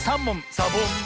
サボン！